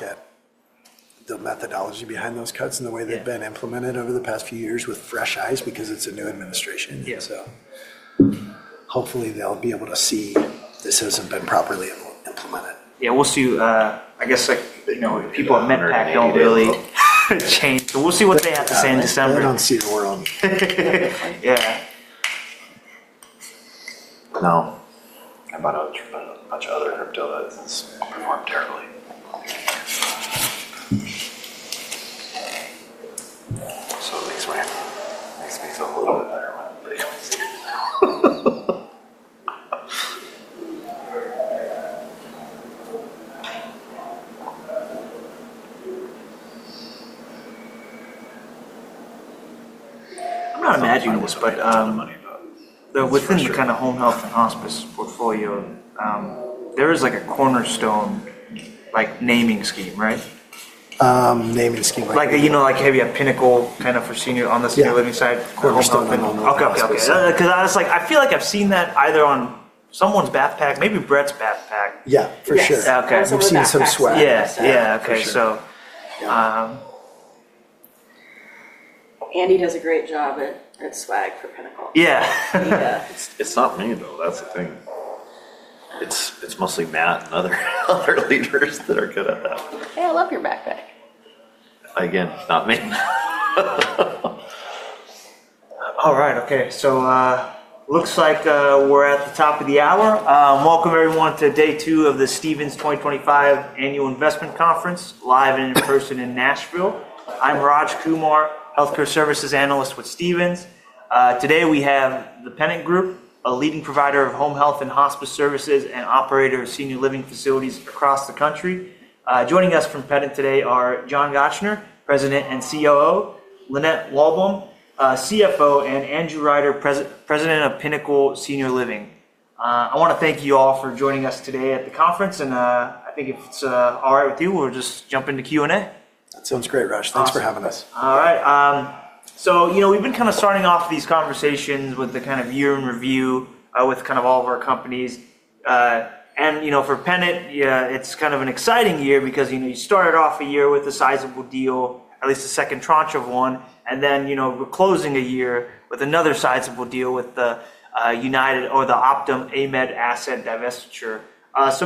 Look at the methodology behind those cuts and the way they've been implemented over the past few years with fresh eyes because it's a new administration. Yeah. Hopefully they'll be able to see this hasn't been properly implemented. Yeah, we'll see. I guess people at MedPAC don't really change. We'll see what they have to say in December. I don't see the world. Yeah. No. I'm on a bunch of other HRIP deal that has performed terribly. It makes me feel a little bit better when everybody comes to me. I'm not imagining this, but within the kind of Home Health and Hospice portfolio, there is a Cornerstone naming scheme, right? Naming scheme. Like heavy a Pinnacle kind of for senior on the senior living side. Cornerstone pinnacle. Okay. Because I feel like I've seen that either on someone's backpack, maybe Brent's backpack. Yeah, for sure. Okay. We've seen some swag. Yeah. Yeah. Okay. So. Andrew does a great job at swag for Pennant. Yeah. It's not me, though. That's the thing. It's mostly Matt and other leaders that are good at that. Hey, I love your backpack. Again, not me. All right. Okay. Looks like we're at the top of the hour. Welcome, everyone, to day two of the Stephens 2025 Annual Investment Conference, live and in person in Nashville. I'm Raj Kumar, healthcare services analyst with Stephens. Today we have the Pennant Group, a leading provider of Home Health and Hospice services and operator of Senior Living facilities across the country. Joining us from Pennant today are John Gochnour, President and COO, Lynette Wallbom, CFO, and Andrew Rider, President of Pinnacle Senior Living. I want to thank you all for joining us today at the conference. I think if it's all right with you, we'll just jump into Q&A. That sounds great, Raj. Thanks for having us. All right. We have been kind of starting off these conversations with the kind of year in review with kind of all of our companies. For Pennant, it is kind of an exciting year because you started off a year with a sizable deal, at least a second tranche of one, and then closing a year with another sizable deal with the United or the Optum AMED Asset Divestiture.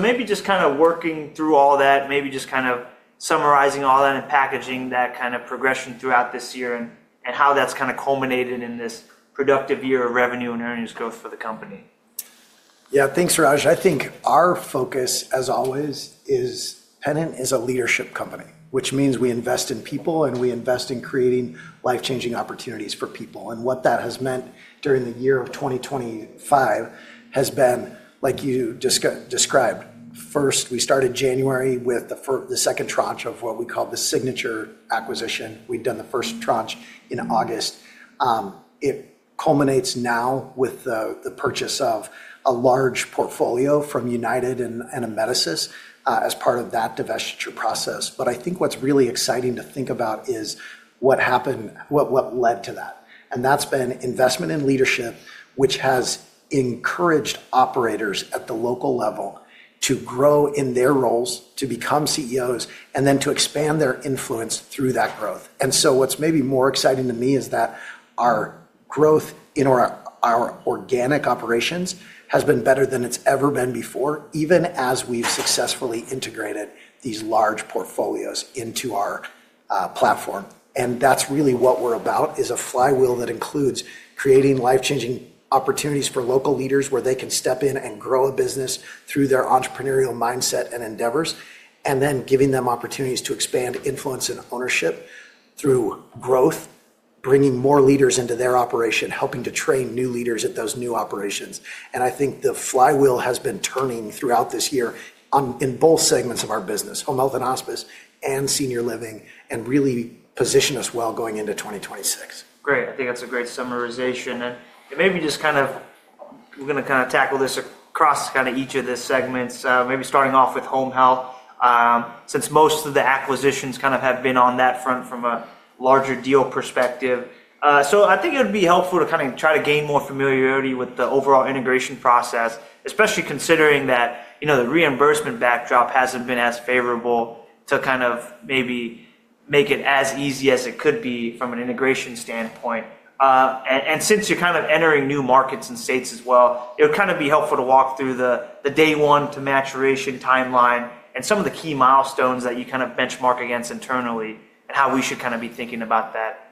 Maybe just kind of working through all that, maybe just kind of summarizing all that and packaging that kind of progression throughout this year and how that has kind of culminated in this productive year of revenue and earnings growth for the company? Yeah. Thanks, Raj. I think our focus, as always, is Pennant is a leadership company, which means we invest in people and we invest in creating life-changing opportunities for people. What that has meant during the year of 2025 has been, like you described. First, we started January with the second tranche of what we call the Signature acquisition. We'd done the first tranche in August. It culminates now with the purchase of a large portfolio from United and Amedisys as part of that divestiture process. I think what's really exciting to think about is what happened, what led to that. That's been investment in leadership, which has encouraged operators at the local level to grow in their roles, to become CEOs, and then to expand their influence through that growth. What is maybe more exciting to me is that our growth in our organic operations has been better than it has ever been before, even as we have successfully integrated these large portfolios into our platform. That is really what we are about, a flywheel that includes creating life-changing opportunities for local leaders where they can step in and grow a business through their entrepreneurial mindset and endeavors, and then giving them opportunities to expand influence and ownership through growth, bringing more leaders into their operation, helping to train new leaders at those new operations. I think the flywheel has been turning throughout this year in both segments of our business, Home Health and Hospice and senior living, and really positioned us well going into 2026. Great. I think that's a great summarization. I think we're going to kind of tackle this across each of the segments, maybe starting off with Home Health, since most of the acquisitions have been on that front from a larger deal perspective. I think it would be helpful to try to gain more familiarity with the overall integration process, especially considering that the reimbursement backdrop hasn't been as favorable to maybe make it as easy as it could be from an integration standpoint. Since you're kind of entering new markets and states as well, it would kind of be helpful to walk through the day one to maturation timeline and some of the key milestones that you kind of benchmark against internally and how we should kind of be thinking about that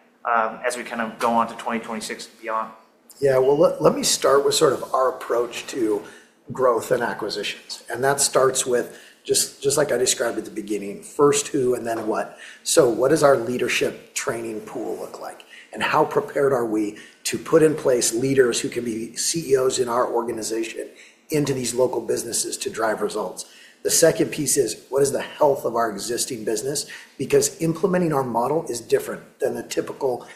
as we kind of go on to 2026 and beyond. Yeah. Let me start with sort of our approach to growth and acquisitions. That starts with just like I described at the beginning, first who and then what. What does our leadership training pool look like? How prepared are we to put in place leaders who can be CEOs in our organization into these local businesses to drive results? The second piece is, what is the health of our existing business? Because implementing our model is different than the typical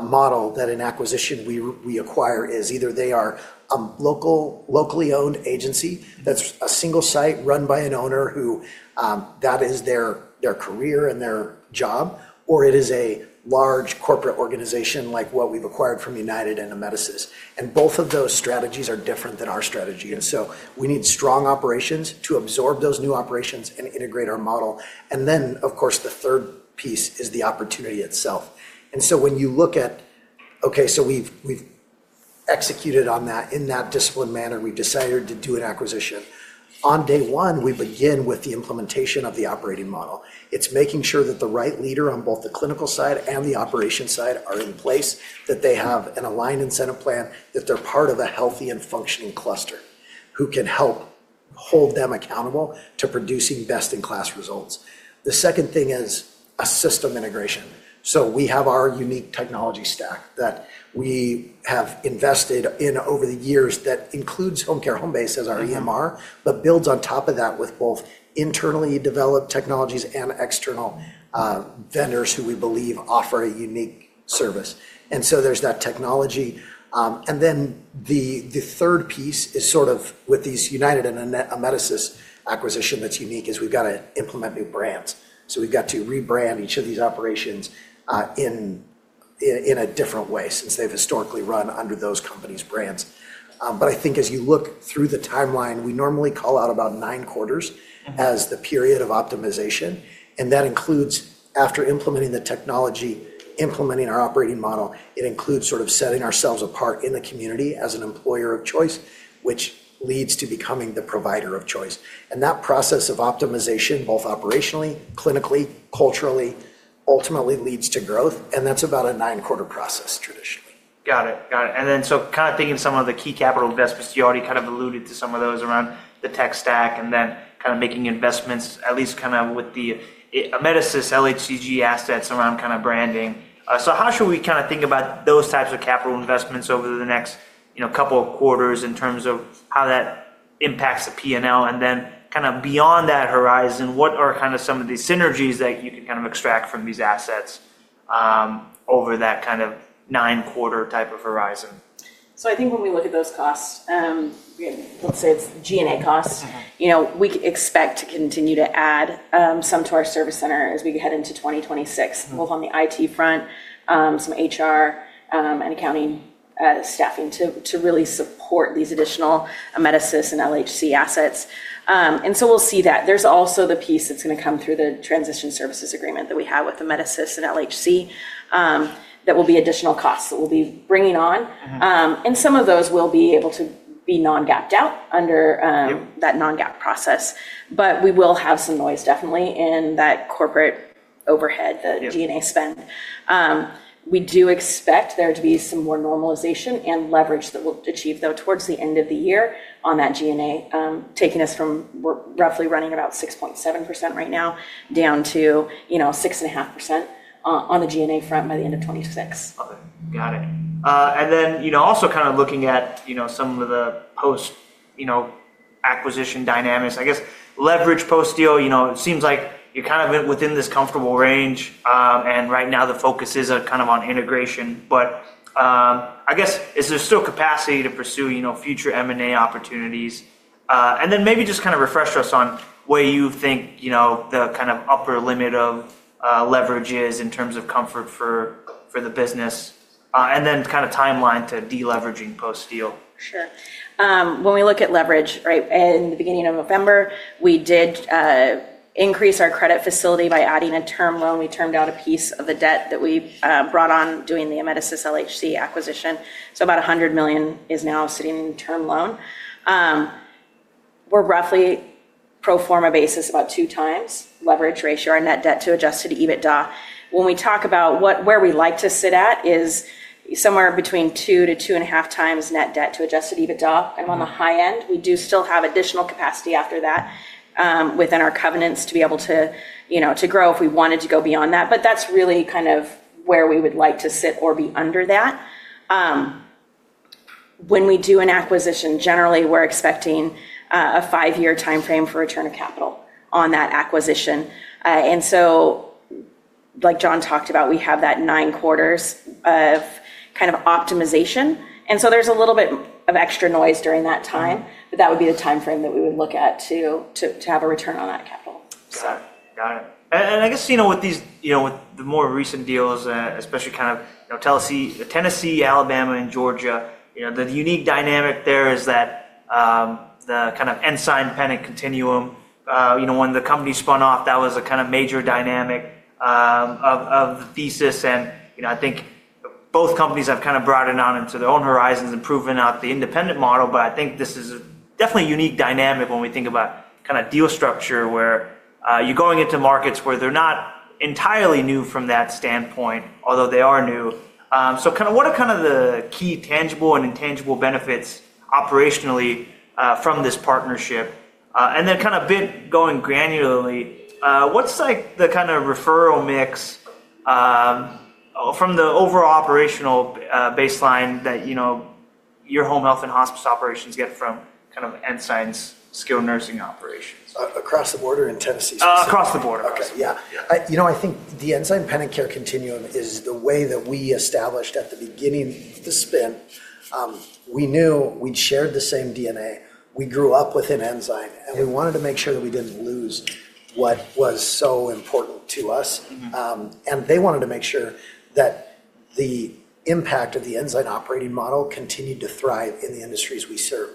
model that an acquisition we acquire is. Either they are a locally owned agency that's a single site run by an owner who that is their career and their job, or it is a large corporate organization like what we've acquired from United and Amedisys. Both of those strategies are different than our strategy. We need strong operations to absorb those new operations and integrate our model. Of course, the third piece is the opportunity itself. When you look at, okay, we have executed on that in that disciplined manner. We have decided to do an acquisition. On day one, we begin with the implementation of the operating model. It is making sure that the right leader on both the clinical side and the operation side are in place, that they have an aligned incentive plan, that they are part of a healthy and functioning cluster who can help hold them accountable to producing best-in-class results. The second thing is a system integration. We have our unique technology stack that we have invested in over the years that includes HomeCare HomeBase as our EMR, but builds on top of that with both internally developed technologies and external vendors who we believe offer a unique service. There is that technology. The third piece that is sort of unique with these United and Amedisys acquisitions is we've got to implement new brands. We have to rebrand each of these operations in a different way since they've historically run under those companies' brands. I think as you look through the timeline, we normally call out about nine quarters as the period of optimization. That includes after implementing the technology, implementing our operating model, and setting ourselves apart in the community as an employer of choice, which leads to becoming the provider of choice. That process of optimization, both operationally, clinically, culturally, ultimately leads to growth. That is about a nine-quarter process traditionally. Got it. Got it. Kind of thinking of some of the key capital investments, you already kind of alluded to some of those around the tech stack and then kind of making investments, at least kind of with the Amedisys and LHC assets around kind of branding. How should we kind of think about those types of capital investments over the next couple of quarters in terms of how that impacts the P&L? Beyond that horizon, what are kind of some of the synergies that you can kind of extract from these assets over that kind of nine-quarter type of horizon? I think when we look at those costs, let's say it's G&A costs, we expect to continue to add some to our service center as we head into 2026, both on the IT front, some HR and accounting staffing to really support these additional Amedisys and LHC assets. We'll see that. There's also the piece that's going to come through the transition services agreement that we have with Amedisys and LHC that will be additional costs that we'll be bringing on. Some of those will be able to be non-gapped out under that non-GAAP process. We will have some noise definitely in that corporate overhead, the G&A spend. We do expect there to be some more normalization and leverage that we'll achieve, though, towards the end of the year on that G&A, taking us from roughly running about 6.7% right now down to 6.5% on the G&A front by the end of 2026. Got it. Also, kind of looking at some of the post-acquisition dynamics, I guess leverage post-deal, it seems like you're kind of within this comfortable range. Right now the focus is kind of on integration. I guess is there still capacity to pursue future M&A opportunities? Maybe just kind of refresh us on where you think the kind of upper limit of leverage is in terms of comfort for the business, and then kind of timeline to deleveraging post-deal. Sure. When we look at leverage, right, in the beginning of November, we did increase our credit facility by adding a term loan. We termed out a piece of the debt that we brought on doing the Amedisys-LHC acquisition. So about $100 million is now sitting in term loan. We're roughly pro forma basis, about 2x leverage ratio our net debt to Adjusted EBITDA. When we talk about where we like to sit at is somewhere between 2x-2.5x times net debt to Adjusted EBITDA. On the high end, we do still have additional capacity after that within our covenants to be able to grow if we wanted to go beyond that. That's really kind of where we would like to sit or be under that. When we do an acquisition, generally, we're expecting a five-year timeframe for return of capital on that acquisition. Like John talked about, we have that nine quarters of kind of optimization. There's a little bit of extra noise during that time, but that would be the timeframe that we would look at to have a return on that capital. Got it. I guess with the more recent deals, especially kind of Tennessee, Alabama, and Georgia, the unique dynamic there is that the kind of Ensign Pennant Continuum, when the company spun off, that was a kind of major dynamic of the thesis. I think both companies have kind of broadened on into their own horizons and proven out the independent model. I think this is definitely a unique dynamic when we think about kind of deal structure where you're going into markets where they're not entirely new from that standpoint, although they are new. What are kind of the key tangible and intangible benefits operationally from this partnership? Then kind of a bit going granularly, what's the kind of referral mix from the overall operational baseline that your Home Health and Hospice operations get from kind of Ensign's skilled nursing operations? Across the border in Tennessee. Across the border. Okay. Yeah. I think the Ensign Pennant Care Continuum is the way that we established at the beginning of the spin. We knew we'd shared the same DNA. We grew up with Ensign, and we wanted to make sure that we didn't lose what was so important to us. They wanted to make sure that the impact of the Ensign operating model continued to thrive in the industries we serve.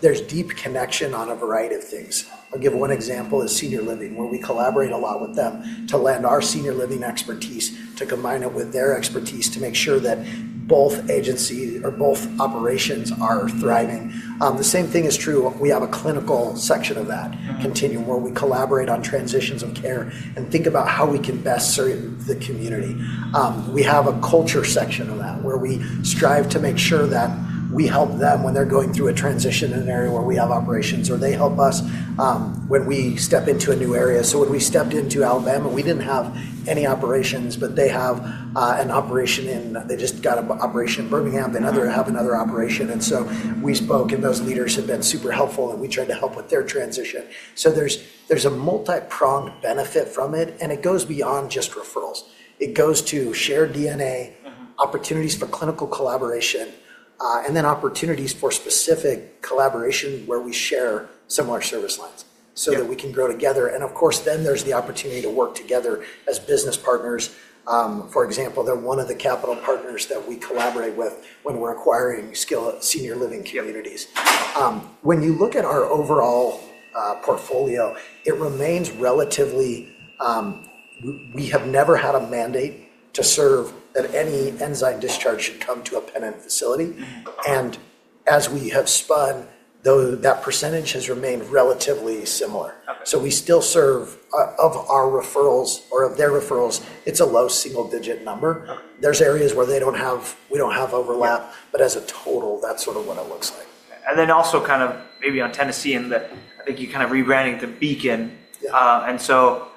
There is deep connection on a variety of things. I'll give one example: senior living, where we collaborate a lot with them to lend our senior living expertise to combine it with their expertise to make sure that both agencies or both operations are thriving. The same thing is true. We have a clinical section of that continuum where we collaborate on transitions of care and think about how we can best serve the community. We have a culture section of that where we strive to make sure that we help them when they're going through a transition in an area where we have operations, or they help us when we step into a new area. When we stepped into Alabama, we didn't have any operations, but they have an operation in they just got an operation in Birmingham. They have another operation. We spoke, and those leaders have been super helpful, and we tried to help with their transition. There is a multi-pronged benefit from it, and it goes beyond just referrals. It goes to shared DNA, opportunities for clinical collaboration, and then opportunities for specific collaboration where we share similar service lines so that we can grow together. Of course, then there's the opportunity to work together as business partners. For example, they're one of the capital partners that we collaborate with when we're acquiring senior living communities. When you look at our overall portfolio, it remains relatively, we have never had a mandate to serve that any Ensign discharge should come to a Pennant facility. As we have spun, that percentage has remained relatively similar. We still serve, of our referrals or of their referrals, it's a low single-digit number. There are areas where they don't have, we don't have overlap, but as a total, that's sort of what it looks like. Also, kind of maybe on Tennessee, and I think you kind of rebranding to Beacon.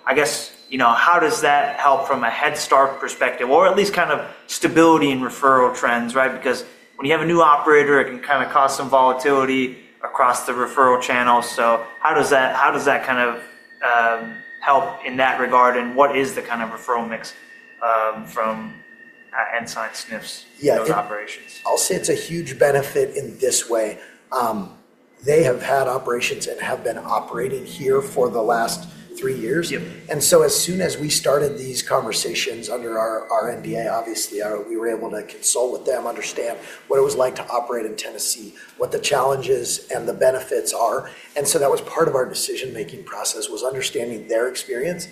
I guess how does that help from a head start perspective, or at least kind of stability in referral trends, right? Because when you have a new operator, it can kind of cause some volatility across the referral channel. How does that kind of help in that regard? And what is the kind of referral mix from Ensign SNFs' operations? I'll say it's a huge benefit in this way. They have had operations and have been operating here for the last three years. As soon as we started these conversations under our NDA, obviously, we were able to consult with them, understand what it was like to operate in Tennessee, what the challenges and the benefits are. That was part of our decision-making process, was understanding their experience.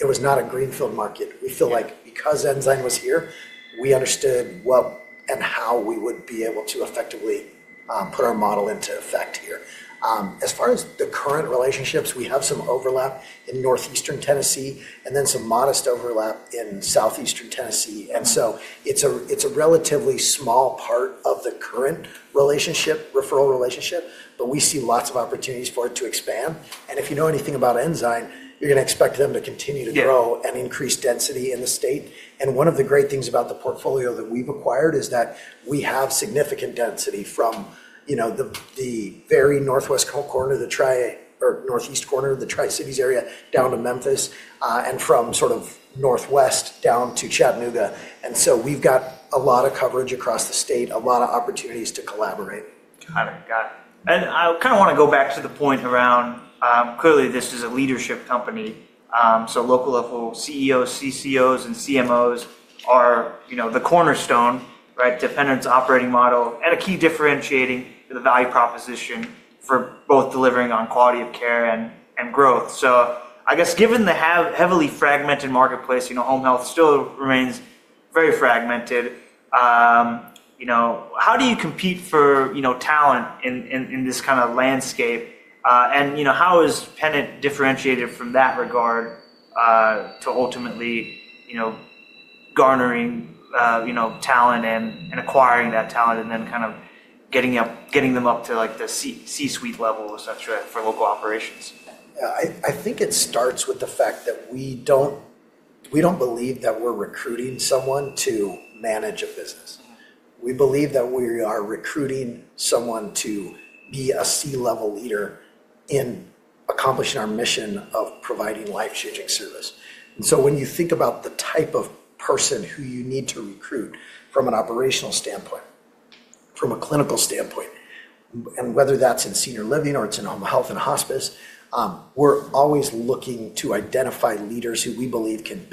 It was not a greenfield market. We feel like because Ensign was here, we understood what and how we would be able to effectively put our model into effect here. As far as the current relationships, we have some overlap in northeastern Tennessee and then some modest overlap in southeastern Tennessee. It's a relatively small part of the current referral relationship, but we see lots of opportunities for it to expand. If you know anything about Ensign, you're going to expect them to continue to grow and increase density in the state. One of the great things about the portfolio that we've acquired is that we have significant density from the very northwest corner or northeast corner of the Tri-Cities area down to Memphis and from sort of northwest down to Chattanooga. We've got a lot of coverage across the state, a lot of opportunities to collaborate. Got it. Got it. I kind of want to go back to the point around clearly this is a leadership company. Local level CEOs, CCOs, and CMOs are the cornerstone, right, to Pennant's operating model and a key differentiating for the value proposition for both delivering on quality of care and growth. I guess given the heavily fragmented marketplace, Home Health still remains very fragmented, how do you compete for talent in this kind of landscape? How is Pennant differentiated from that regard to ultimately garnering talent and acquiring that talent and then kind of getting them up to the C-suite level, etc., for local operations? I think it starts with the fact that we do not believe that we are recruiting someone to manage a business. We believe that we are recruiting someone to be a C-level leader in accomplishing our mission of providing life-changing service. When you think about the type of person who you need to recruit from an operational standpoint, from a clinical standpoint, and whether that is in Senior Living or it is in Home Health and Hospice, we are always looking to identify leaders who we believe could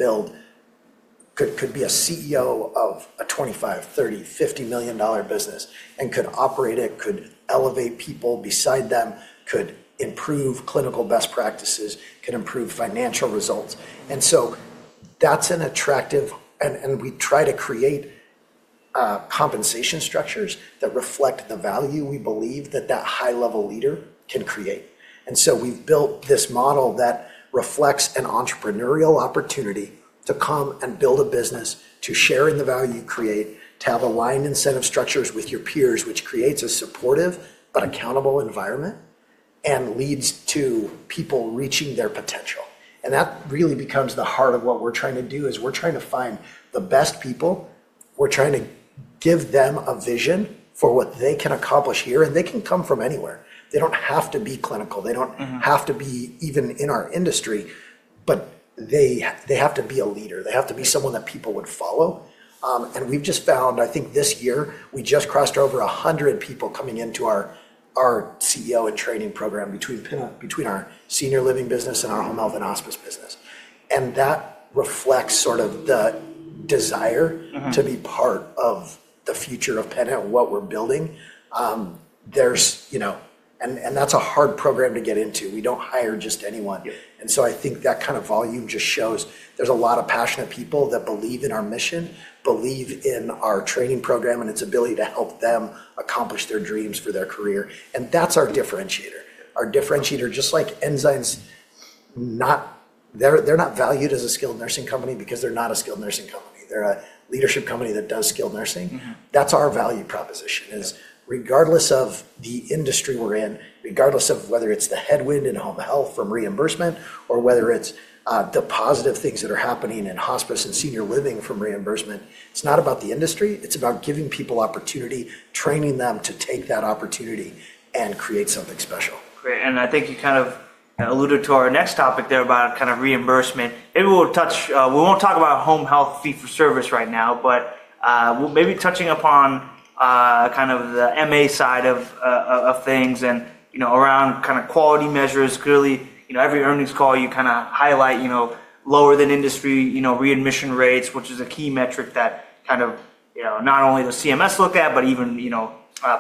be a CEO of a $25 million, $30 million, $50 million business and could operate it, could elevate people beside them, could improve clinical best practices, could improve financial results. That is attractive and we try to create compensation structures that reflect the value we believe that that high-level leader can create. We have built this model that reflects an entrepreneurial opportunity to come and build a business, to share in the value you create, to have aligned incentive structures with your peers, which creates a supportive but accountable environment and leads to people reaching their potential. That really becomes the heart of what we are trying to do. We are trying to find the best people. We are trying to give them a vision for what they can accomplish here. They can come from anywhere. They do not have to be clinical. They do not have to be even in our industry, but they have to be a leader. They have to be someone that people would follow. We have just found, I think this year, we just crossed over 100 people coming into our CEO and training program between our Senior Living business and our Home Health and Hospice business. That reflects sort of the desire to be part of the future of Pennant and what we're building. That's a hard program to get into. We don't hire just anyone. I think that kind of volume just shows there's a lot of passionate people that believe in our mission, believe in our training program and its ability to help them accomplish their dreams for their career. That's our differentiator. Our differentiator, just like Ensign's, they're not valued as a skilled nursing company because they're not a skilled nursing company. They're a leadership company that does skilled nursing. That's our value proposition. Regardless of the industry we're in, regardless of whether it's the headwind in Home Health from reimbursement or whether it's the positive things that are happening in Hospice and SeniorLliving from reimbursement, it's not about the industry. It's about giving people opportunity, training them to take that opportunity and create something special. Great. I think you kind of alluded to our next topic there about kind of reimbursement. We will not talk about Home Health fee for service right now, but maybe touching upon kind of the MA side of things and around kind of quality measures. Clearly, every earnings call you kind of highlight lower than industry readmission rates, which is a key metric that kind of not only the CMS look at, but even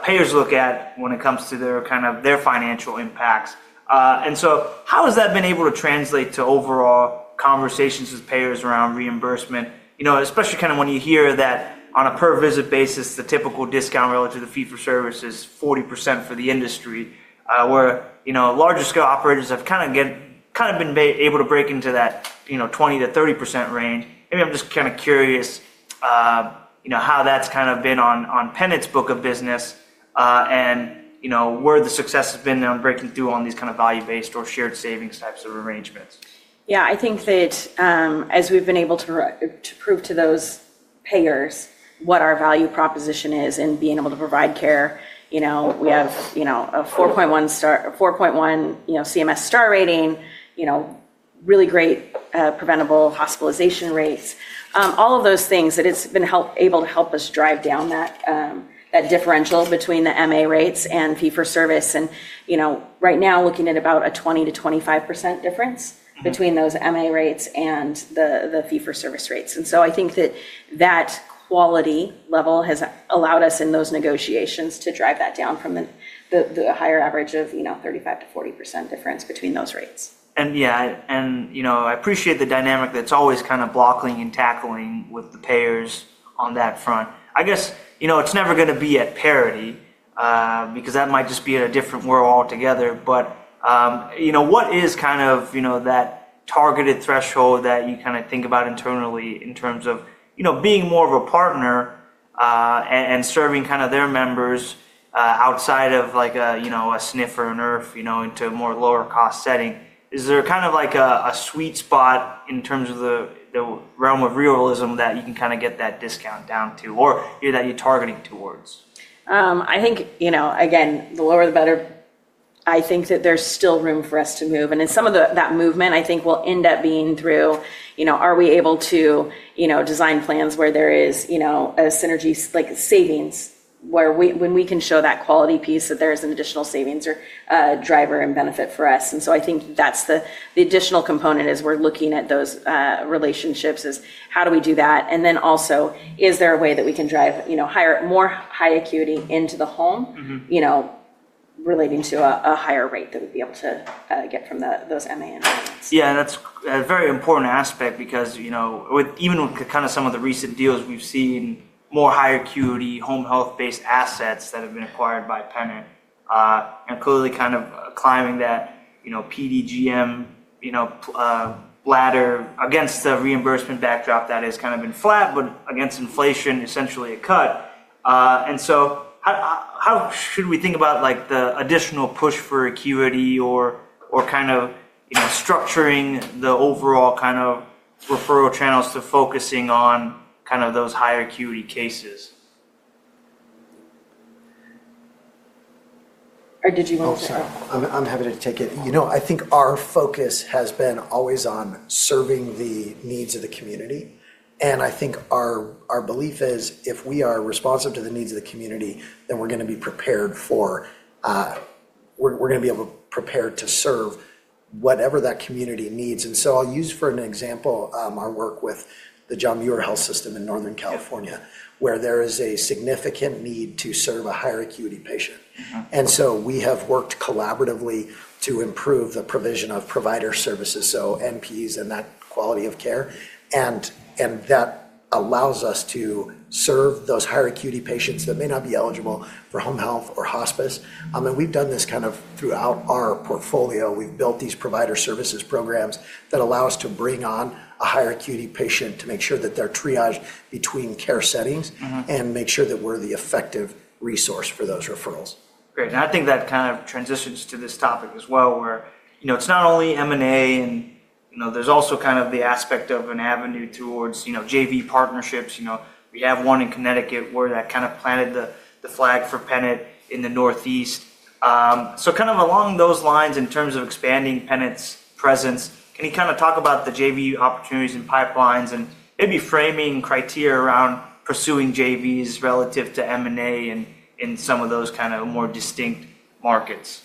payers look at when it comes to kind of their financial impacts. How has that been able to translate to overall conversations with payers around reimbursement, especially kind of when you hear that on a per-visit basis, the typical discount relative to the fee for service is 40% for the industry, where larger scale operators have kind of been able to break into that 20%-30% range. Maybe I'm just kind of curious how that's kind of been on Pennant's book of business and where the success has been on breaking through on these kind of value-based or shared savings types of arrangements. Yeah, I think that as we've been able to prove to those payers what our value proposition is in being able to provide care, we have a 4.1 CMS Star Rating, really great preventable hospitalization rates, all of those things that it's been able to help us drive down that differential between the MA rates and fee for service. Right now, looking at about a 20%-25% difference between those MA rates and the fee for service rates. I think that that quality level has allowed us in those negotiations to drive that down from the higher average of 35%-40% difference between those rates. Yeah, I appreciate the dynamic that's always kind of blocking and tackling with the payers on that front. I guess it's never going to be at parity because that might just be in a different world altogether. What is kind of that targeted threshold that you kind of think about internally in terms of being more of a partner and serving kind of their members outside of a SNF and NERF into a more lower-cost setting? Is there kind of like a sweet spot in terms of the realm of realism that you can kind of get that discount down to or that you're targeting towards? I think, again, the lower the better. I think that there's still room for us to move. In some of that movement, I think we'll end up being through, are we able to design plans where there is a synergy like savings where when we can show that quality piece that there is an additional savings or driver and benefit for us. I think that's the additional component as we're looking at those relationships is how do we do that? Also, is there a way that we can drive more high acuity into the home relating to a higher rate that we'd be able to get from those MA investments? Yeah, that's a very important aspect because even with kind of some of the recent deals, we've seen more high acuity Home Health-based assets that have been acquired by Pennant and clearly kind of climbing that PDGM ladder against the reimbursement backdrop that has kind of been flat, but against inflation, essentially a cut. How should we think about the additional push for acuity or kind of structuring the overall kind of referral channels to focusing on kind of those high acuity cases? Or did you want to start? I'm happy to take it. I think our focus has been always on serving the needs of the community. I think our belief is if we are responsive to the needs of the community, then we're going to be prepared for we're going to be able to prepare to serve whatever that community needs. I'll use for an example our work with the John Muir Health System in Northern California, where there is a significant need to serve a higher acuity patient. We have worked collaboratively to improve the provision of provider services, so NPs and that quality of care. That allows us to serve those higher acuity patients that may not be eligible for Home Health or Hospice. We've done this kind of throughout our portfolio. We've built these provider services programs that allow us to bring on a higher acuity patient to make sure that they're triaged between care settings and make sure that we're the effective resource for those referrals. Great. I think that kind of transitions to this topic as well, where it's not only M&A and there's also kind of the aspect of an avenue towards JV partnerships. We have one in Connecticut where that kind of planted the flag for Pennant in the northeast. Kind of along those lines in terms of expanding Pennant's presence, can you kind of talk about the JV opportunities and pipelines and maybe framing criteria around pursuing JVs relative to M&A and in some of those kind of more distinct markets?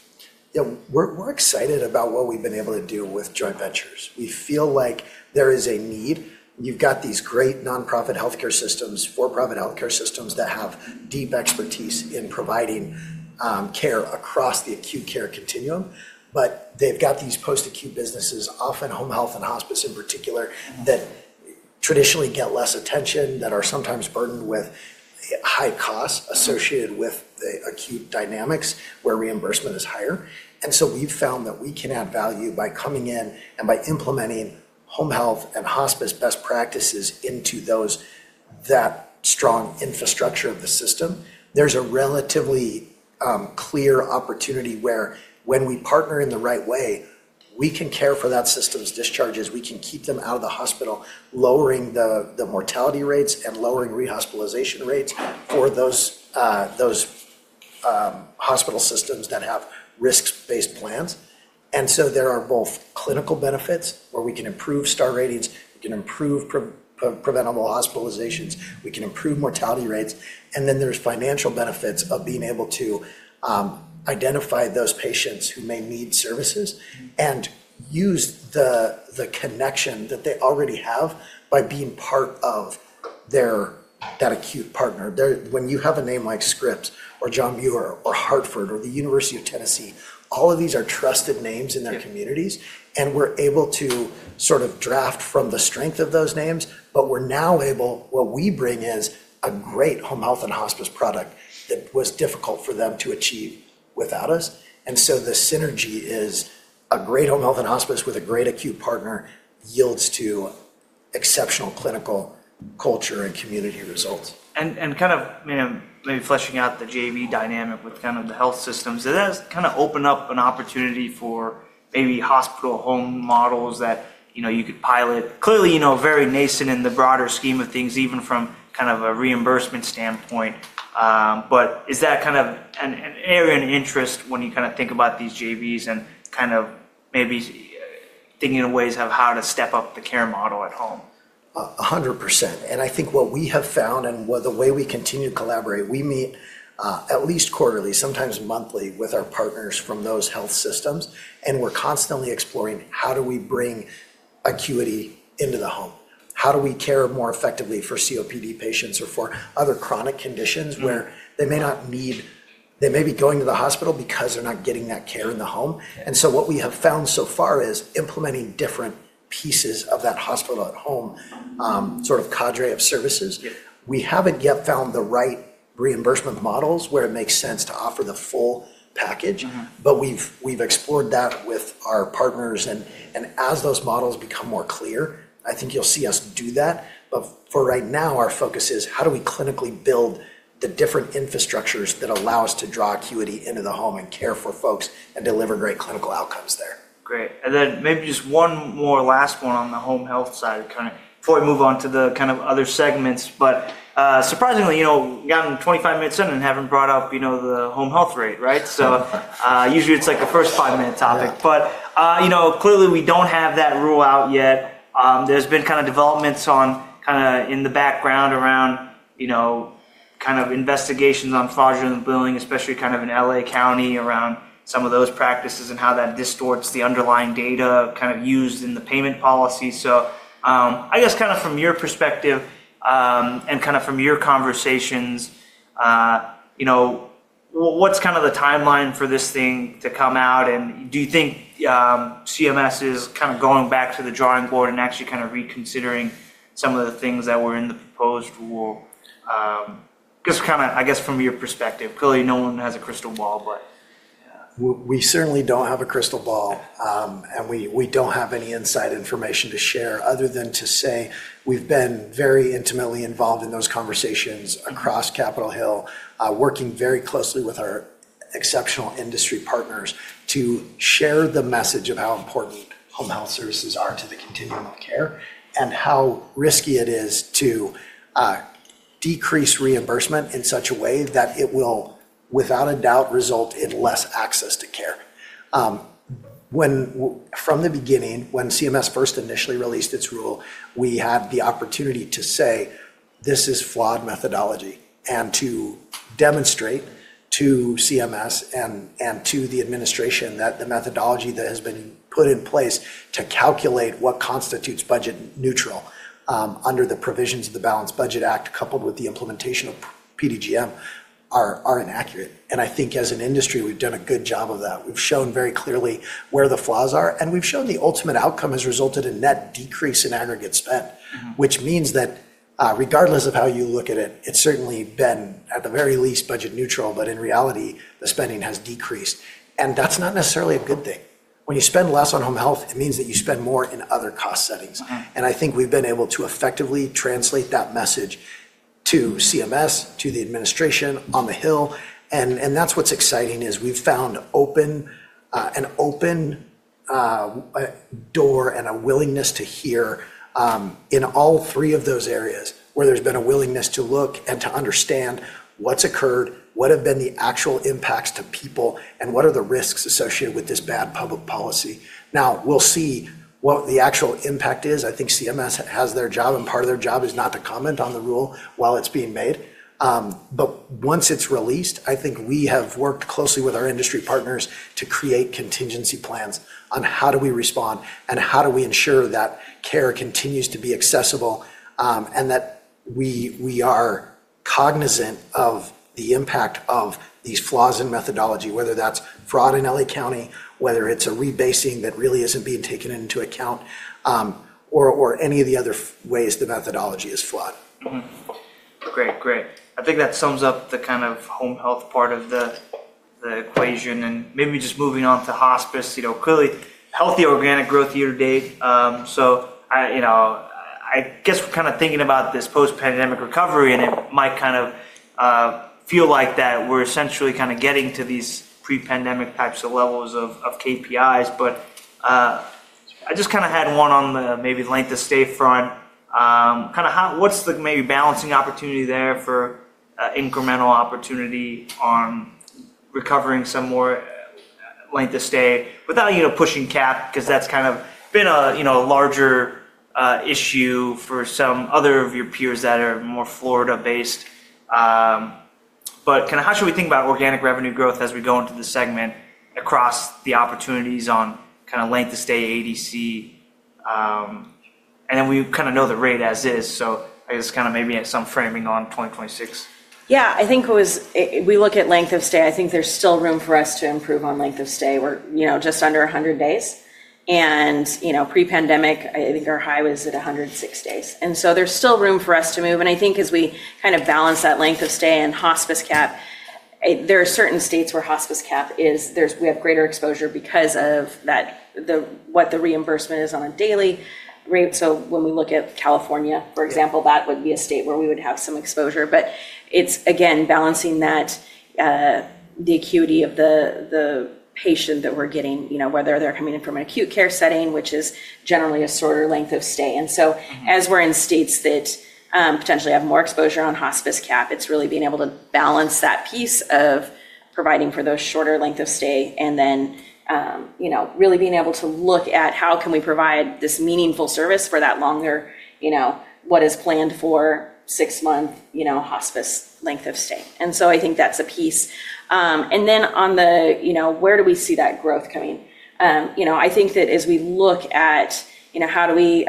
Yeah, we're excited about what we've been able to do with joint ventures. We feel like there is a need. You've got these great nonprofit healthcare systems, for-profit healthcare systems that have deep expertise in providing care across the acute care continuum. They've got these post-acute businesses, often Home Health and Hospice in particular, that traditionally get less attention, that are sometimes burdened with high costs associated with the acute dynamics where reimbursement is higher. We've found that we can add value by coming in and by implementing Home Health and Hospice best practices into that strong infrastructure of the system. There's a relatively clear opportunity where when we partner in the right way, we can care for that system's discharges. We can keep them out of the hospital, lowering the mortality rates and lowering rehospitalization rates for those hospital systems that have risk-based plans. There are both clinical benefits where we can improve star ratings, we can improve preventable hospitalizations, we can improve mortality rates. There are financial benefits of being able to identify those patients who may need services and use the connection that they already have by being part of that acute partner. When you have a name like Scripps or John Muir or Hartford or the University of Tennessee, all of these are trusted names in their communities. We are able to sort of draft from the strength of those names, but what we bring is a great Home Health and Hospice product that was difficult for them to achieve without us. The synergy is a great Home Health and Hospice with a great acute partner yields to exceptional clinical culture and community results. Kind of maybe fleshing out the JV dynamic with kind of the health systems, does that kind of open up an opportunity for maybe hospital home models that you could pilot? Clearly, very nascent in the broader scheme of things, even from kind of a reimbursement standpoint. Is that kind of an area of interest when you kind of think about these JVs and kind of maybe thinking of ways of how to step up the care model at home? 100%. I think what we have found and the way we continue to collaborate, we meet at least quarterly, sometimes monthly with our partners from those health systems. We are constantly exploring how do we bring acuity into the home? How do we care more effectively for COPD patients or for other chronic conditions where they may not need—they may be going to the hospital because they're not getting that care in the home. What we have found so far is implementing different pieces of that hospital at home, sort of cadre of services. We haven't yet found the right reimbursement models where it makes sense to offer the full package. We have explored that with our partners. As those models become more clear, I think you'll see us do that. For right now, our focus is how do we clinically build the different infrastructures that allow us to draw acuity into the home and care for folks and deliver great clinical outcomes there. Great. Maybe just one more last one on the Home Health side kind of before we move on to the kind of other segments. Surprisingly, we got in 25 min in and haven't brought up the Home Health rate, right? Usually it's like the first five-minute topic. Clearly, we don't have that rule out yet. There's been kind of developments in the background around investigations on fraudulent billing, especially in LA County around some of those practices and how that distorts the underlying data used in the payment policy. I guess from your perspective and from your conversations, what's the timeline for this thing to come out? Do you think CMS is kind of going back to the drawing board and actually kind of reconsidering some of the things that were in the proposed rule? Just kind of, I guess, from your perspective. Clearly, no one has a crystal ball, but. We certainly don't have a crystal ball. We don't have any inside information to share other than to say we've been very intimately involved in those conversations across Capitol Hill, working very closely with our exceptional industry partners to share the message of how important Home Health services are to the continuum of care and how risky it is to decrease reimbursement in such a way that it will, without a doubt, result in less access to care. From the beginning, when CMS first initially released its rule, we had the opportunity to say, "This is flawed methodology," and to demonstrate to CMS and to the administration that the methodology that has been put in place to calculate what constitutes budget neutral under the provisions of the Balanced Budget Act, coupled with the implementation of PDGM, are inaccurate. I think as an industry, we've done a good job of that. We've shown very clearly where the flaws are. We've shown the ultimate outcome has resulted in net decrease in aggregate spend, which means that regardless of how you look at it, it's certainly been, at the very least, budget neutral, but in reality, the spending has decreased. That's not necessarily a good thing. When you spend less on Home Health, it means that you spend more in other cost settings. I think we've been able to effectively translate that message to CMS, to the administration on the Hill. That's what's exciting is we've found an open door and a willingness to hear in all three of those areas where there's been a willingness to look and to understand what's occurred, what have been the actual impacts to people, and what are the risks associated with this bad public policy. Now, we'll see what the actual impact is. I think CMS has their job, and part of their job is not to comment on the rule while it's being made. Once it's released, I think we have worked closely with our industry partners to create contingency plans on how do we respond and how do we ensure that care continues to be accessible and that we are cognizant of the impact of these flaws in methodology, whether that's fraud in LA County, whether it's a rebasing that really isn't being taken into account, or any of the other ways the methodology is flawed. Great, great. I think that sums up the kind of Home Health part of the equation. I think maybe just moving on to Hospice, clearly, healthy organic growth year to date. I guess we're kind of thinking about this post-pandemic recovery, and it might kind of feel like that we're essentially kind of getting to these pre-pandemic types of levels of KPIs. I just kind of had one on the maybe length of stay front. Kind of what's the maybe balancing opportunity there for incremental opportunity on recovering some more length of stay without pushing cap because that's kind of been a larger issue for some other of your peers that are more Florida-based. How should we think about organic revenue growth as we go into the segment across the opportunities on kind of length of stay, ADC? We kind of know the rate as is. I guess kind of maybe some framing on 2026. Yeah, I think we look at length of stay. I think there's still room for us to improve on length of stay. We're just under 100 days. Pre-pandemic, I think our high was at 106 days. There is still room for us to move. I think as we kind of balance that length of stay and Hospice cap, there are certain states where Hospice cap is, we have greater exposure because of what the reimbursement is on a daily rate. When we look at California, for example, that would be a state where we would have some exposure. It's, again, balancing the acuity of the patient that we're getting, whether they're coming in from an acute care setting, which is generally a shorter length of stay. As we are in states that potentially have more exposure on Hospice cap, it is really being able to balance that piece of providing for those shorter length of stay and then really being able to look at how can we provide this meaningful service for that longer, what is planned for six-month Hospice length of stay. I think that is a piece. On the where do we see that growth coming, I think that as we look at how do we,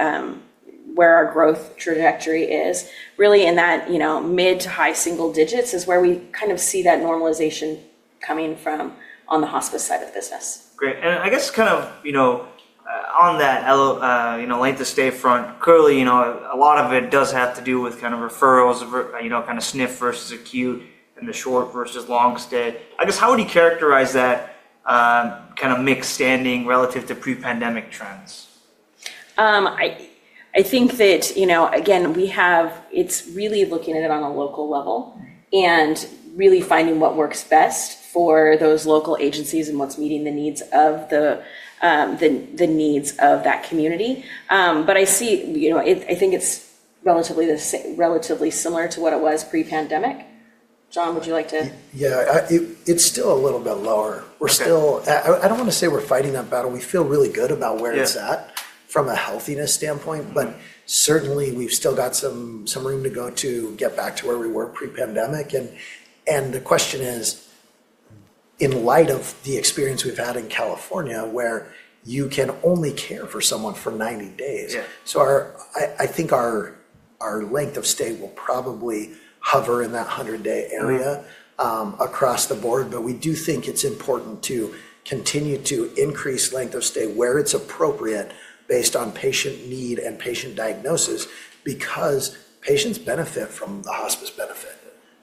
where our growth trajectory is, really in that mid to high single-digits is where we kind of see that normalization coming from on the Hospice side of the business. Great. I guess kind of on that length of stay front, clearly, a lot of it does have to do with kind of referrals, kind of SNF versus acute and the short versus long stay. I guess how would you characterize that kind of mixed standing relative to pre-pandemic trends? I think that, again, we have it's really looking at it on a local level and really finding what works best for those local agencies and what's meeting the needs of that community. I think it's relatively similar to what it was pre-pandemic. John, would you like to? Yeah, it's still a little bit lower. I don't want to say we're fighting that battle. We feel really good about where it's at from a healthiness standpoint, but certainly we've still got some room to go to get back to where we were pre-pandemic. The question is, in light of the experience we've had in California, where you can only care for someone for 90 days. I think our length of stay will probably hover in that 100-day area across the board. We do think it's important to continue to increase length of stay where it's appropriate based on patient need and patient diagnosis because patients benefit from the Hospice benefit.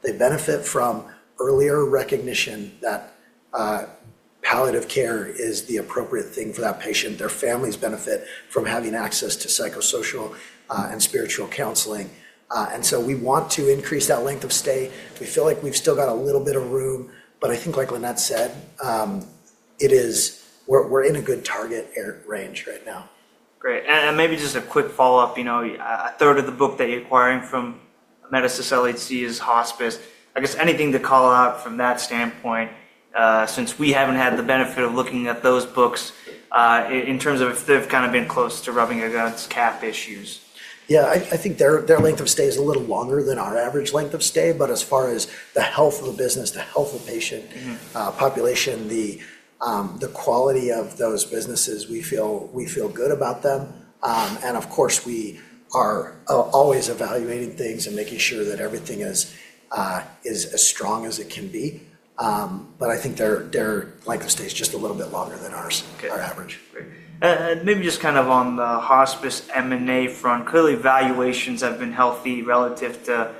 They benefit from earlier recognition that palliative care is the appropriate thing for that patient. Their families benefit from having access to psychosocial and spiritual counseling. We want to increase that length of stay. We feel like we've still got a little bit of room. I think, like Lynette said, we're in a good target range right now. Great. Maybe just a quick follow-up. A third of the book that you're acquiring from Amedisys-LHC is Hospice. I guess anything to call out from that standpoint since we haven't had the benefit of looking at those books in terms of if they've kind of been close to rubbing against cap issues? Yeah, I think their length of stay is a little longer than our average length of stay. As far as the health of the business, the health of patient population, the quality of those businesses, we feel good about them. Of course, we are always evaluating things and making sure that everything is as strong as it can be. I think their length of stay is just a little bit longer than our average. Maybe just kind of on the Hospice M&A front, clearly valuations have been healthy relative to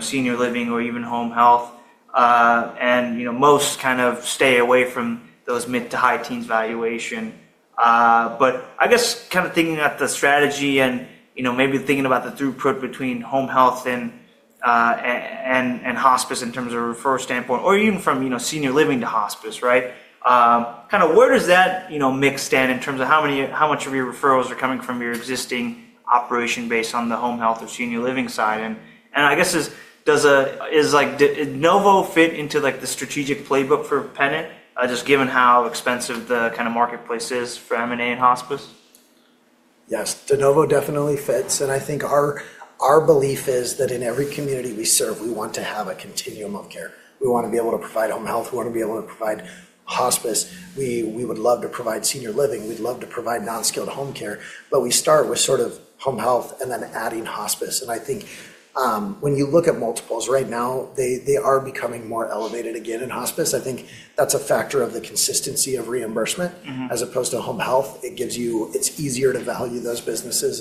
senior living or even Home Health. Most kind of stay away from those mid to high teens valuation. I guess kind of thinking about the strategy and maybe thinking about the throughput between Home Health and Hospice in terms of referral standpoint or even from senior living to Hospice, right? Where does that mix stand in terms of how much of your referrals are coming from your existing operation based on the Home Health or Senior Living side? Does de novo fit into the strategic playbook for Pennant just given how expensive the kind of marketplace is for M&A and Hospice? Yes, de novo definitely fits. I think our belief is that in every community we serve, we want to have a continuum of care. We want to be able to provide Home Health. We want to be able to provide Hospice. We would love to provide Senior Living. We'd love to provide non-skilled home care. We start with sort of Home Health and then adding Hospice. I think when you look at multiples right now, they are becoming more elevated again in Hospice. I think that's a factor of the consistency of reimbursement as opposed to Home Health. It's easier to value those businesses,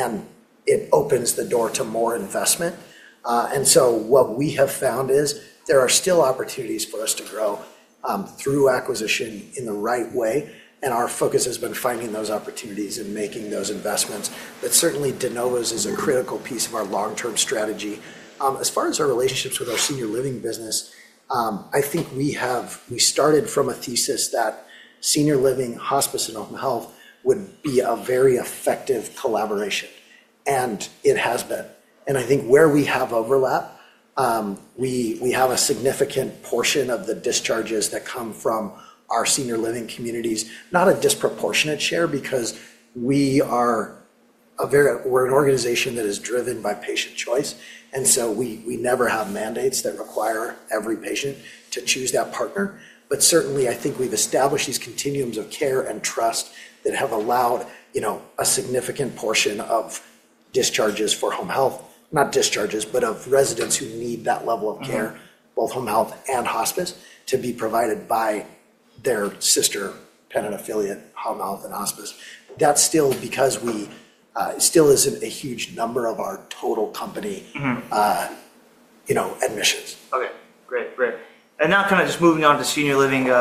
and it opens the door to more investment. What we have found is there are still opportunities for us to grow through acquisition in the right way. Our focus has been finding those opportunities and making those investments. Certainly, de novo's is a critical piece of our long-term strategy. As far as our relationships with our Senior Living business, I think we started from a thesis that Senior Living, Hospice, and Home Health would be a very effective collaboration. It has been. I think where we have overlap, we have a significant portion of the discharges that come from our Senior Living communities, not a disproportionate share because we are an organization that is driven by patient choice. We never have mandates that require every patient to choose that partner. Certainly, I think we have established these continuums of care and trust that have allowed a significant portion of discharges for Home Health, not discharges, but of residents who need that level of care, both Home Health and Hospice, to be provided by their sister Pennant affiliate, Home Health and Hospice. That's still because it still isn't a huge number of our total company admissions. Okay, great, great. Now kind of just moving on to Senior Living,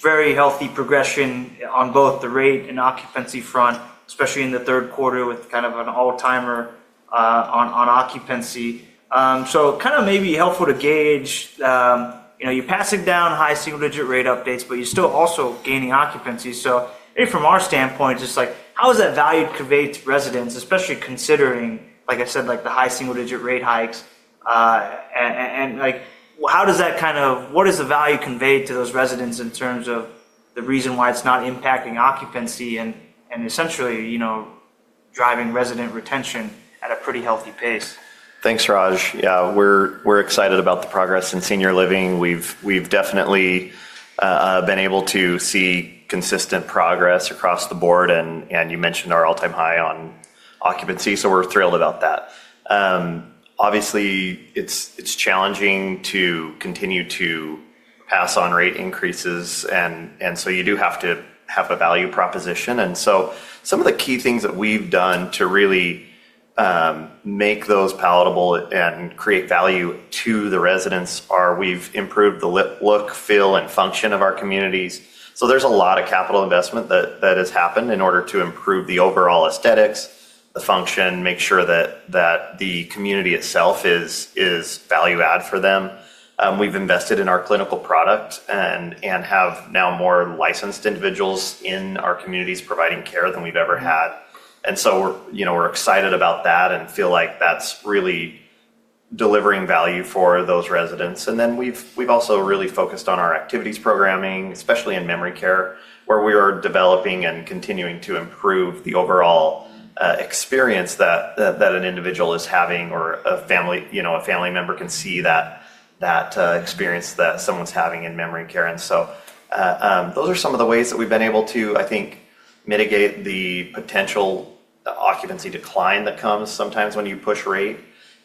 very healthy progression on both the rate and occupancy front, especially in the third quarter with kind of an all-timer on occupancy. Kind of maybe helpful to gauge you're passing down high single-digit rate updates, but you're still also gaining occupancy. From our standpoint, it's just like, how does that value convey to residents, especially considering, like I said, the high single-digit rate hikes? How does that, kind of, what does the value convey to those residents in terms of the reason why it's not impacting occupancy and essentially driving resident retention at a pretty healthy pace? Thanks, Raj. Yeah, we're excited about the progress in Senior Living. We've definitely been able to see consistent progress across the board. You mentioned our all-time high on occupancy. We're thrilled about that. Obviously, it's challenging to continue to pass on rate increases. You do have to have a value proposition. Some of the key things that we've done to really make those palatable and create value to the residents are we've improved the look, feel, and function of our communities. There's a lot of capital investment that has happened in order to improve the overall aesthetics, the function, make sure that the community itself is value-add for them. We've invested in our clinical product and have now more licensed individuals in our communities providing care than we've ever had. We are excited about that and feel like that's really delivering value for those residents. We have also really focused on our activities programming, especially in memory care, where we are developing and continuing to improve the overall experience that an individual is having or a family member can see that experience that someone's having in memory care. Those are some of the ways that we've been able to, I think, mitigate the potential occupancy decline that comes sometimes when you push rate.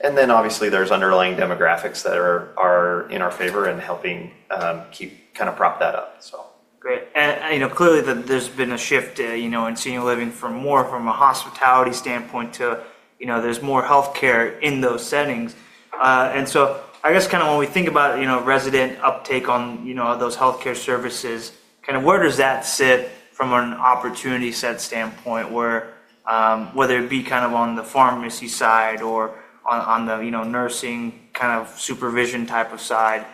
Obviously, there are underlying demographics that are in our favor and helping keep kind of prop that up. Great. Clearly, there's been a shift in Senior Living more from a hospitality standpoint to there's more healthcare in those settings. I guess kind of when we think about resident uptake on those healthcare services, kind of where does that sit from an opportunity set standpoint, whether it be kind of on the pharmacy side or on the nursing kind of supervision type of side?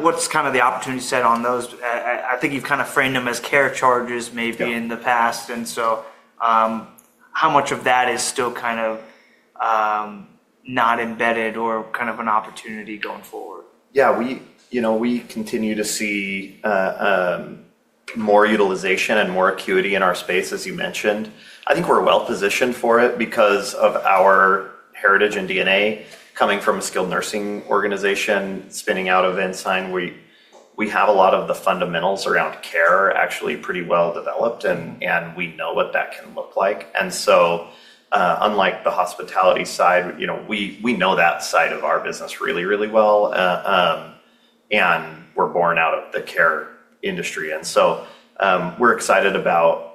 What's kind of the opportunity set on those? I think you've kind of framed them as care charges maybe in the past. How much of that is still kind of not embedded or kind of an opportunity going forward? Yeah, we continue to see more utilization and more acuity in our space, as you mentioned. I think we're well-positioned for it because of our heritage and DNA coming from a skilled nursing organization spinning out of Ensign. We have a lot of the fundamentals around care actually pretty well developed, and we know what that can look like. Unlike the hospitality side, we know that side of our business really, really well. We're born out of the care industry. We're excited about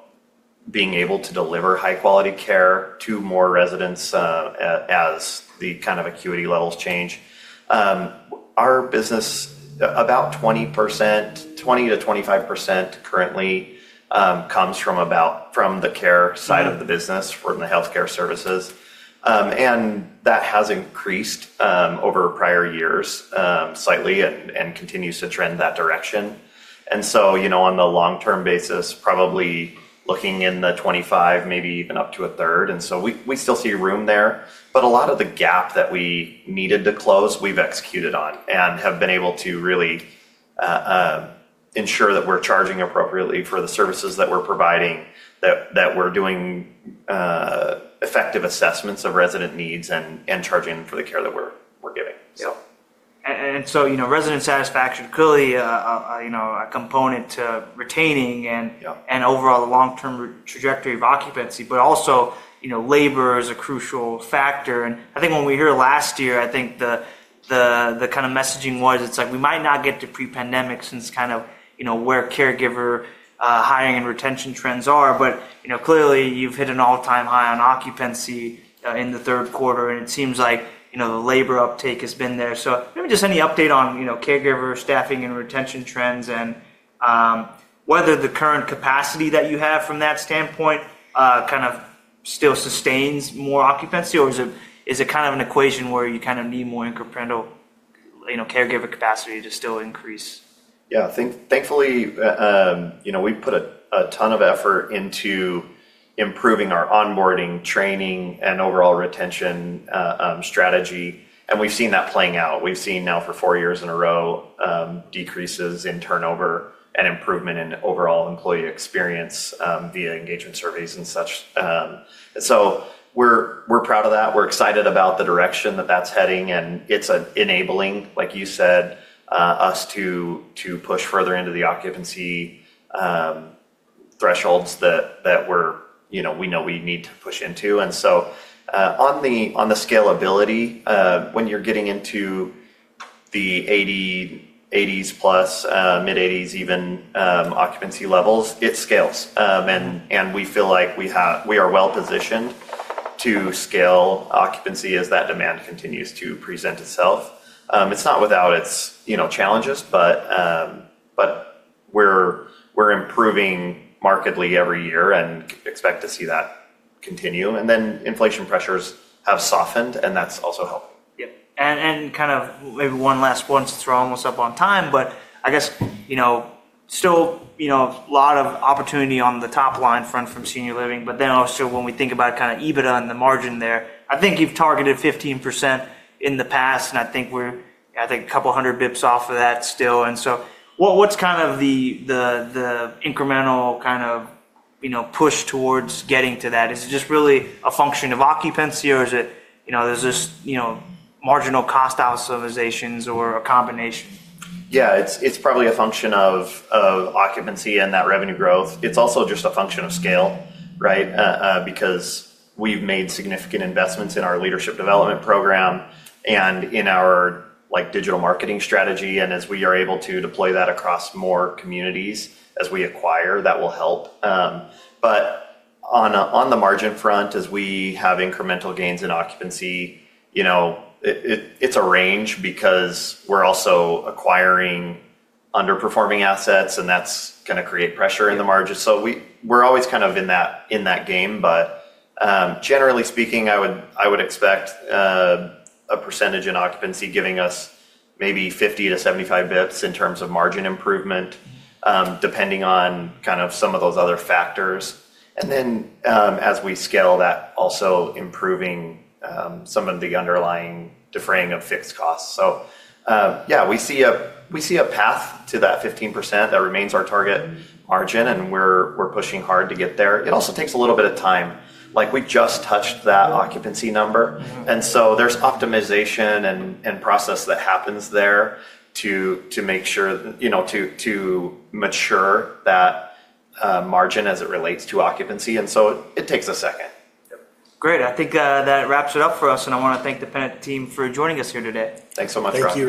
being able to deliver high-quality care to more residents as the kind of acuity levels change. Our business, about 20%-25% currently comes from the care side of the business from the healthcare services. That has increased over prior years slightly and continues to trend that direction. On the long-term basis, probably looking in the 25%, maybe even up to a third. We still see room there. A lot of the gap that we needed to close, we've executed on and have been able to really ensure that we're charging appropriately for the services that we're providing, that we're doing effective assessments of resident needs and charging for the care that we're giving. Resident satisfaction is clearly a component to retaining and overall long-term trajectory of occupancy, but also labor is a crucial factor. I think when we hear last year, I think the kind of messaging was it's like we might not get to pre-pandemic since kind of where caregiver hiring and retention trends are. Clearly, you've hit an all-time high on occupancy in the third quarter. It seems like the labor uptake has been there. Maybe just any update on caregiver staffing and retention trends and whether the current capacity that you have from that standpoint kind of still sustains more occupancy, or is it kind of an equation where you kind of need more incremental caregiver capacity to still increase? Yeah, thankfully, we've put a ton of effort into improving our onboarding, training, and overall retention strategy. We've seen that playing out. We've seen now for four years in a row decreases in turnover and improvement in overall employee experience via engagement surveys and such. We're proud of that. We're excited about the direction that that's heading. It's enabling, like you said, us to push further into the occupancy thresholds that we know we need to push into. On the scalability, when you're getting into the 80s +, mid 80s even occupancy levels, it scales. We feel like we are well-positioned to scale occupancy as that demand continues to present itself. It's not without its challenges, but we're improving markedly every year and expect to see that continue. Inflation pressures have softened, and that's also helping. Yeah. Kind of maybe one last, once it's we're almost up on time, but I guess still a lot of opportunity on the top line front from senior living. Then also when we think about kind of EBITDA and the margin there, I think you've targeted 15% in the past. I think we're a couple hundred basis points off of that still. What's kind of the incremental kind of push towards getting to that? Is it just really a function of occupancy or is it there's just marginal cost optimizations or a combination? Yeah, it's probably a function of occupancy and that revenue growth. It's also just a function of scale, right, because we've made significant investments in our leadership development program and in our digital marketing strategy. As we are able to deploy that across more communities as we acquire, that will help. On the margin front, as we have incremental gains in occupancy, it's a range because we're also acquiring underperforming assets, and that's going to create pressure in the margin. We're always kind of in that game. Generally speaking, I would expect a percentage in occupancy giving us maybe 50 bps-75 bps in terms of margin improvement depending on kind of some of those other factors. As we scale, that also improving some of the underlying deferring of fixed costs. Yeah, we see a path to that 15% that remains our target margin, and we're pushing hard to get there. It also takes a little bit of time. We just touched that occupancy number. And so there's optimization and process that happens there to make sure to mature that margin as it relates to occupancy. It takes a second. Great. I think that wraps it up for us. I want to thank the Pennant team for joining us here today. Thanks so much, Raj. Thank you.